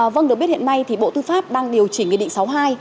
vâng được biết hiện nay thì bộ tư pháp đang điều chỉnh nghị định sáu mươi hai